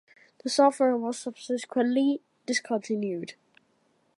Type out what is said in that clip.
The software was subsequently discontinued.